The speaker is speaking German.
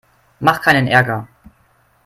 Mach keinen Ärger!